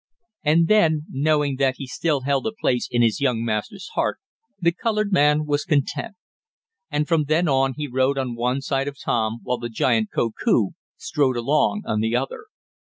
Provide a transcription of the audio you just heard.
And then, knowing that he still held a place in his young master's heart, the colored man was content. And from then on he rode on one side of Tom, while the giant, Koku, strode along on the other.